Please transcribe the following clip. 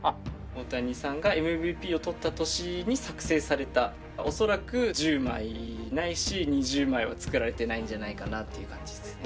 大谷さんがＭＶＰを取った年に作製された恐らく１０枚ないし２０枚は作られてないんじゃないかなっていう感じですね。